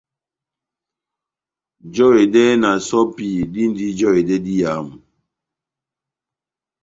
Jɛhedɛ na sɔ́pi dindi jɔhedɛ diyamu.